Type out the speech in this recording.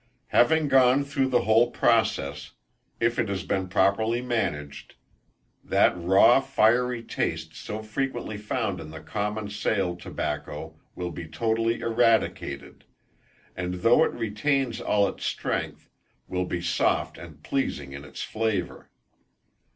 Having gone through the whole process, if it has been properly managed, that raw fiery taste so frequently found in the common sale tobacco will be totally eradicated, and though it retains all its strength, will be soft and pleasing in its flavour.